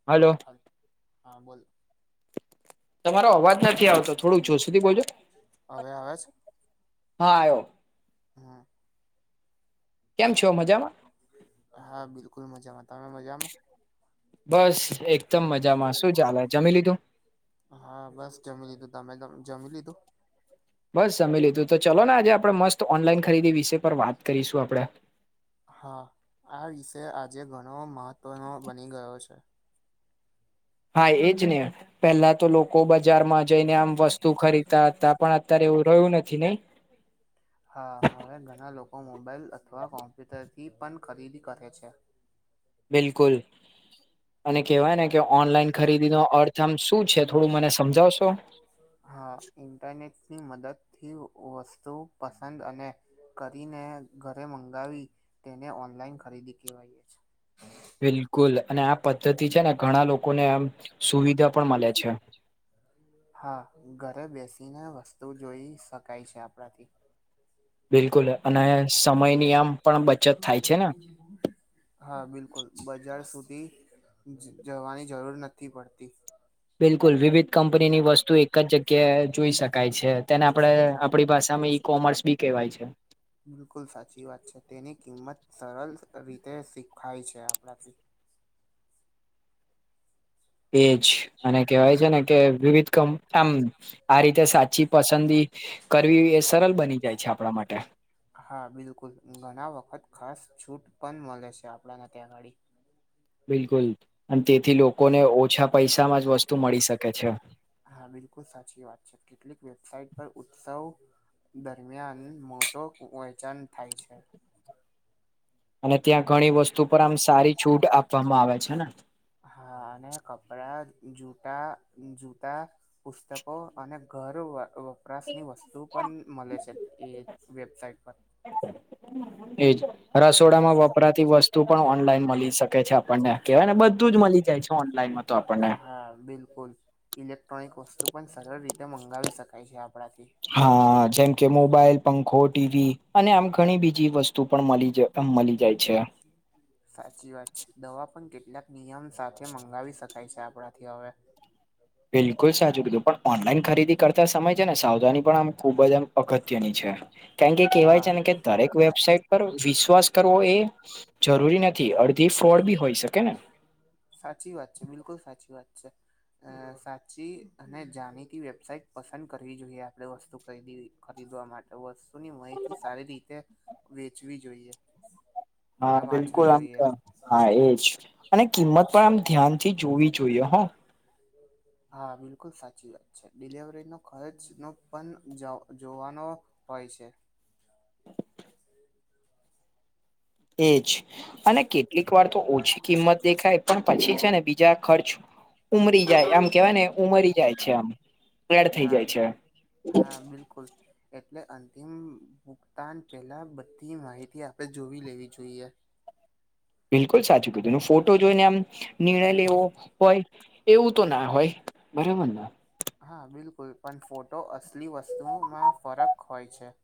હાલો હા હા બોલો તમારો અવાજ નથી આવતો થોડું જોર સુધી બોજો હવે આવે છે હા આવ્યો હા કેમ છો મજામાં હા બિલકુલ મજામાં તમે મજામાં બસ એકદમ મજામાં શું ચાલે જમી લીધું હા બસ જમી લીધું તમે જમી લીધું બસ જમી લીધું તો ચલો ને આજે આપડણે મસ્ત ઓનલાઈન ખરીદી વિશે પર વાત કરીશું આપડણે હા આ વિષય આજે ઘણો મહત્વનો બની ગયો છે હા એજ ને પેલા તો લોકો બજારમાં જઈને આમ વસ્તુ ખરીદતા હતા પણ અત્યારે એવું રહ્યું નથી નહી હા હવે ઘણા લોકો મોબાઈલ અથવા કોમ્પ્યુટરથી પણ ખરીદી કરે છે બિલકુલ અને કહેવાય ને કે ઓનલાઈન ખરીદી નો અર્થ આમ શું છે થોડું મને સમજાવશો હા ઇન્ટરનેટની મદદથી વસ્તુ પસંદ અને કરીને ઘરે મંગાવી તેને ઓનલાઈન ખરીદી કવાય છે બિલકુલ અને આ પદ્ધતિ છે ને ઘણા લોકોને આમ સુવિધા પણ મળે છે હા ઘરે બેસીને વસ્તુ જોઈ શકાય છે આપણાથી બિલકુલ અને સમયની આમ પણ બચત થાય છે ને [inaudible] હા બિલકુલ બજાર સુધી જવાની જરૂર નથી પડતી બિલકુલ વિવિધ કંપનીની વસ્તુ એક જ જગ્યાએ જોઈ શકાય છે તેને આપણે આપણી ભાષામાં એક કોમર્સ બી કહેવાય છે બિલકુલ સાચી વાત છે તેની કિંમત સરળ રીતે શીખાય છે આપણાથી એજ અને કહેવાય છે ને કે વિવિધ કમ આમ આ રીતે સાચી પસંદગી કરવી એ સરળ બની જાય છે આપણા માટે હા બિલકુલ ઘણા વખત ખાસ છૂટ પણ મળે છે આપણાને ત્યાં અગાડી બિલકુલ અને તેથી લોકોને ઓછા પૈસામાં જ વસ્તુ મળી શકે છે હા બિલકુલ સાચી વાત છે કેટલીક વેબસાઇટ પર ઉત્સવ દરમિયાન મોટું વેચણ થાય છે અને ત્યાં ઘણી વસ્તુ પર આમ સારી છૂટ આપવામાં આવે છે ને હા અને કપડા જૂતા જૂતા પુસ્તકો અને ઘર વપરાશ ની વસ્તુ પણ મળે છે એ વેબસાઇટ પર એજ રસોડામાં વપરાતી વસ્તુ પણ ઓનલાઈન મળી શકે છે આપણને કેહેવાય ને બધું જ મળી જાય છે ઓનલાઈન તો આપણને હા બિલકલ. બિલકુલ, ઇલેક્ટ્રોનિક વસ્તુ પણ સરળ રીતે મંગાવી શકાય છે આપણાથી. હા જેમ કે મોબાઈલ પંખો ટીવી અને આમ ઘણી બીજી વસ્તુ પણ મળી જ મળી જાય છે સાચી વાત છે દવા પણ કેટલાક નિયમ સાથે મંગાવી શકાય પૈસા આપણા થી હવે બિલકુલ સાચું કીધું પણ ઓનલાઈન ખરીદી કરતા સમય છે ને સાવધાની પણ આમ ખુબ જ આમ અગત્યની છે કારણ કે કેહેવાય હા છે ને કે દરેક વેબસાઇટ પર વિશ્વાસ કરવો એ જરૂરી નથી અડધી ફ્રોડ બી હોય શકે ને. સાચી વાત છે બિલકુલ સાચી વાત છે. અ સાચી અને જાણીતી વેબસાઈટ પસંદ કરવી જોઈએ આપણે વસ્તુ ખરીદી ખરીદવા માટે વસ્તુની માહિત સારી રીતે વેચવી જોઈએ. અને હા વાંચવી બિલકુલ આમક જોઈએ હા એજ અને કિંમત પણ આમ ધ્યાનથી જોવી જોઈએ હો હા બિલકુલ સાચી વાત છે ડિલવરીનો ખર્ચ નો પણ જોવાનો હોય છે. એજ અને કેટલીક વાર તો ઓછી કિંમત દેખાય પણ પછી છે ને બીજા ખર્ચ ઉમરી જાય આમ કેવાય ને ઉમરી જાય છે આમ. એડ થઈ હા જાય છે હા બિલકુલ એટલે અંતિમ ભુગતાન પહેલાં બધી માહિતી આપણે જોવી લેવી જોઈએ. બિલકુલ સાચું કીધું ફોટો જોઈને આમ નિર્ણય લેવો હોય એવું તો ના હોય બરાબર ને હા બિલકુલ પણ ફોટો અસલી વસ્તુમાં ફરક હોય છે.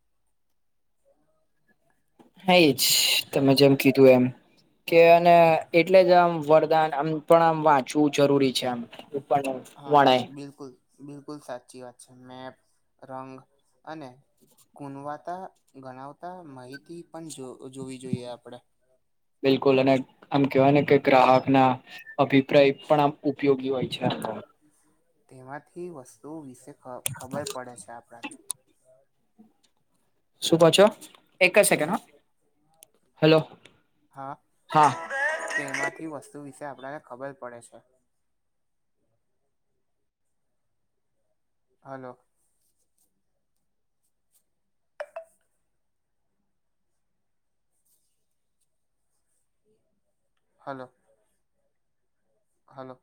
હા એ જ તમે જેમ કીધું એમ કે અને એટલે જ આમ વરદાન આમ પણ આમ વાંચવું જરૂરી છે આમ પણ હા વણાય બિલકુલ બિલકુલ સાચી વાત છે મેપ, રંગ અને કુનવાતા ગણાવતા માહિતી પણ જો જોવી જોઈએ આપડે. બિલકુલ અને આમ કેવાય ને કે ગ્રાહક ના અભિપ્રાય પણ આમ ઉપયોગી હોય છે. તેમાંથી વસ્તુ વિશે ખબર પડે છે આપણને શું કો છો? એક જ સેકન્ડ હો તે હલો હા હા તેમાંથી વસ્તુ વિશે આપણને ખબર પડે છે. હલો હલો હલો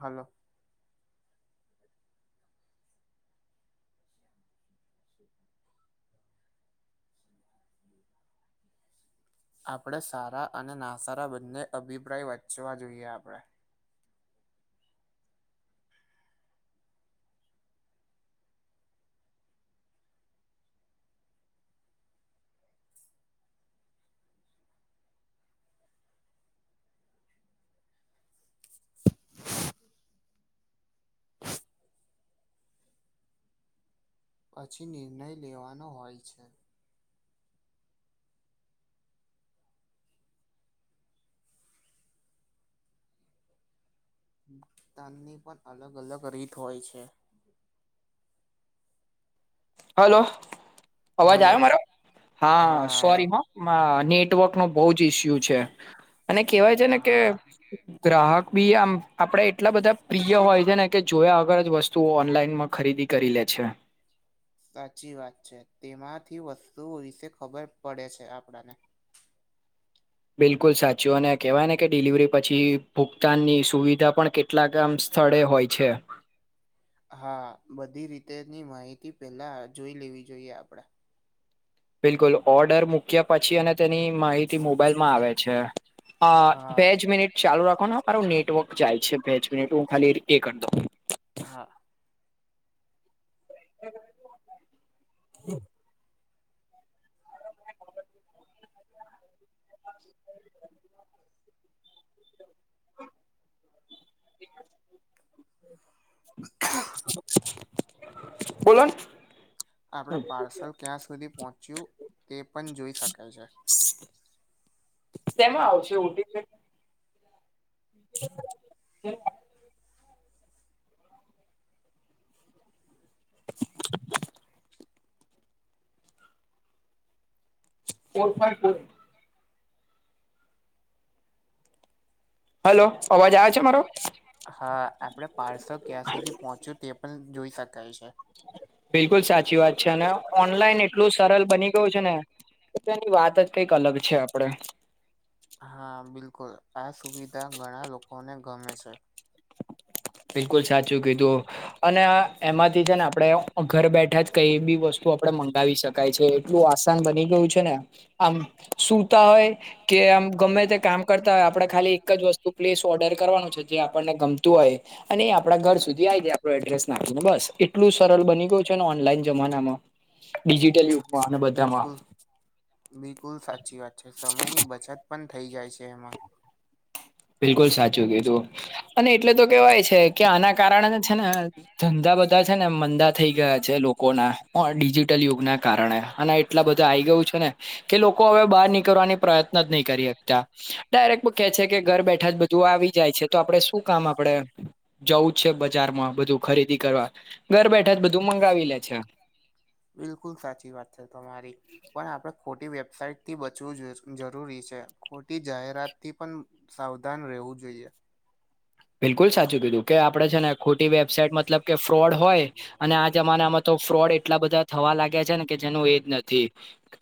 હલો આપણે સારા અને ના સારા બંને અભિપ્રાય વચવા જોઈએ આપણે [unintelligible] પછી નિર્ણય લેવાનો હોય છે. [inaudible] ની પણ અલગ અલગ રીત હોય છે. હલો અવાજ હલો આવ્યો મારો? હા સોરી હોં માં નેટવર્ક નો બહુ જ ઈસ્યુ છે. અને કેહેવાય છે ને કે હા. ગ્રાહક બી આમ આપડે એટલા બધા પ્રિય હોય છે ને કે જોયા અગર જ વસ્ત વસ્તુઓ ઓનલાઈનમાં ખરીદી કરી લે છે. સાચી વાત છે તેમાંથી વસ્તુઓ વિશે ખબર પડે છે આપણને બિલકુલ સાચું અને કહેવાય ને કે ડિલિવરી પછી ભુગતાનની સુવિધા પણ કેટ કેટલાક આમ સ્થળે હોય છે. હા બધી રીતેની માહિતી પેલા જોઈ લેવી જોઈએ આપડા બિલકુલ ઓર્ડર મૂક્યા પછી અને તેની માહિતી મોબાઈલમાં આવે છે. હ બે હા જ મિનિટ ચાલુ રાખો. મારું નેટવર્ક જાય છે બેચ મિનેટ હું ખાલી એ કરી દો. હા [inaudible] બોલો ન [inaudible] આપણે પાર્સલ ક્યાં સુધી પહોંચ્યું તે પણ જોઈ શકાય છે. તેમાં આવશે OTP. [inaudible] Four five four. Hello. અવાજ આવે છે મારો હા આપડે પાર્સલ ક્યાં સુધી પહોંચ્યું તે પણ જોઈ શકાય છે. બિલકુલ સાચી વાત છે અને ઓનલાઈન એટલું સરલ બની ગયું છે ને ની વાત જ કંઈક અલગ છે આપડે. હા બિલકુલ આ સુવિધા ઘણા લોકોને ગમે છે. બિલકુલ સાચું કીધું અને એમાંથી છે ને આપડણે ઘર બેઠા જ કઈ બી વસ્તુ આપડણે મંગાવી શકીએ કાય છે એટલું આસાન બની ગયું છે ને આમ સુતા હોય કે આમ ગમે તે કામ કરતા હોય આપડે ખાલી એક જ વસ્તુ પ્લીસ ઓર્ડર કરવાનું છે જે આપણને ગમતું હોય અને એ આપડા ઘર સુધી આવી જાય આપણો એડ્રેસ નાખીને બસ એટલું સરળ બની ગયું ને ઓનલાઈન જમાનામાં, ડિજટલયુ. બિલકુલ બિલકુલ સાચી વાત છે સમયની બચત પણ થઇ જાય છે એમાં. બિલકુલ સાચું કીધું. અને એટલે તો કેવાય છે કે આના કારણે છે ને ધંધા બધા છે ને મંદા થઈ ગયા છે લોકો ના પણ ડિજિટલ યુગ ના કારણે અને એટલા બધા આઈ ગયું છે ને કે લોકો હવે બહાર નીકળવાની પ્રત્ન જ નહી કરી હકતા ડાયરેક્ટ કે છે કે કે ઘર બેઠા જ બધું આવી જાય છે તો આપડે શું કામ આપડે જવું છે. બજારમાં બધું ખરીદી કરવા ઘર બેઠા જ બધું મંગાવી લે છે. બિલકુલ સાચી વાત છે તમારી પણ આપડણે ખોટી વેબસાાઈટ થી બચવું જરૂરી છે, ખોટી જાહેરાત થી પણ સાવધાન રહેવું જોઈએ. બિલકુલ સાચું કીધું કે આપડે છે ને ખોટી વેબસાાઈટ મતલબ કે ફ્રોડ હોય અને આ જમાનામાં તો ફ્રોડ એટલા બધા થવા લાગ્યા છે ને કે જેનું એજ નથી.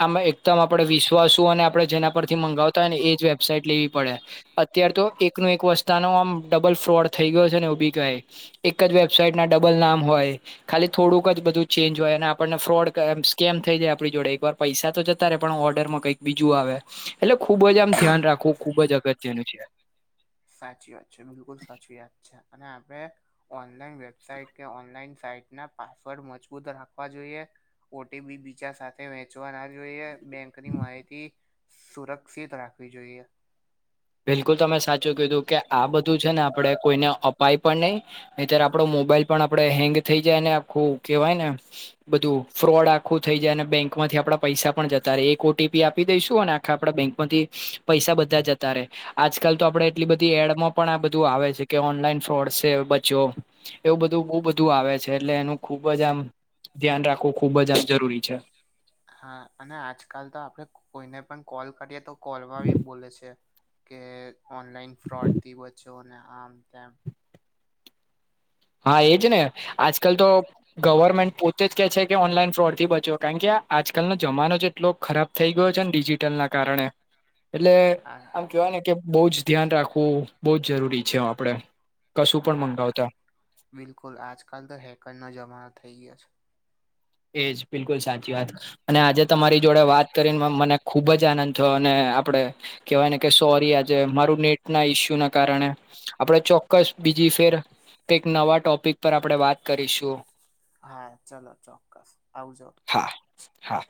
આમાં દમ આપણેે વિશ્વાસું અને આપણે જેના પરથી મગાવતા હોય ને એ જ વેબસાાઈટ લેવી પડે. અત્યાર તો એકનો એક વસ્તાનો આમ ડબલ ફ્રોડ થઈ ગયો છે ને એ બી કહે એક જ વેબસાઈટ ના ડબલ નામ હોય. ખાલી થોડુંક જ બધું ચેન્જ હોય અને આપણને ફ્રોડ સ્કેમ થઈ જાય આપણી જોડે એક વાર પૈસા તો જતા ર પણ ઓર્ડર માં કંઈક બીજું આવે. એટલે ખુબ જ આમ ધ્યાન રાખવું ખુબ જ અગત્યનું છે. સાચી વાત છે બિલકુલ સાચી વાત છે અને આપણે ઓનલાઈન વેબસાઇટ કે ઓનલાઈન સાઈટ ના પાસવર્ડ મજબૂત રાખવા જોઈએ ઓટીપી બીચા સાથે વેચવા ના જોઈએ. બેંકની માહિતી સુરક્ષિત રાખવી જોઈએ. બિલકુલ તમે સાચું કીધું કે આ બધું છે ને આપણેે કોઈને અપાય પણ નહી અત્યારે આપડો મોબાઈલ પણ આપડે હેંગ થઈ જાય ને આખું કેવાય ને બધું ફ્રોડ આખું થઈ જાય અને બેંકમાંથી આપડા પૈસા પણ જતા ર એક ઓટીપી આપી દઈશું અને આખા આપડા બેંક માંથી પૈસા બધા જતા રહેે. આજકાલ તો આપડે એટલી બધી એડમાં પણ આ બધું આવે છે કે ઓનલાઈન ફ્રોડ છે બચો એવું બધું બો બધું આવે છે, એટલે એનું ખુબ જ આમ ધ્યાન રાખવું ખુબ જ આમ જરૂરી છે. હા અને આજકાલ તો આપડે કો કોઈને પણ કોલ કરીએ તો કોલ માબી બોલે છે. કે ઓનલાઈન ફ્રોડથી બચ્ચોને આમ તેમ હા એજને આજકાલ તો ગવર્મેન્ટ પોતે જ કે છે કે ઓનલાઈન ફ્રોડ થી બચો, કાણકે આ આજકાલનો જમાનો જેટલો ખરાબ થઈ ગયો છે ને ડિજિટલ ના કારણે એટલે આ આમ કેહેવાય ને કે બહ જ ધ્યાન રાખવું બહ જ જરૂરી છે આપડે. કશું પણ હા મંગાવતા બિલકુલ આજકાલ તો હેકર નો જમાનો થઈ ગયો છે. એજ બિલકુલ સાચી વાત અને આજે તમારી જોડે વાત કરીને મને ખુબ જ આનંદ અને આપડે કેહેવાય ને કે સોરી આજે મારું નેટ ના ઈસ્યુ ના કારણે આપણે ચોક્કસ બીજી ફેર કઈક નવા ટોપિક પર આપણે વાત કરીશું. હા ચલોો ચોક્કસ આવજો. હા હા